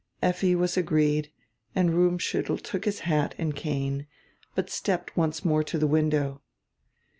Effi was agreed, and Rummschuttel took his hat and cane, but stepped once more to die window.